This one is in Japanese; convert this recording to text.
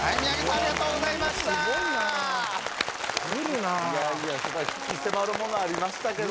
ありがとうございます。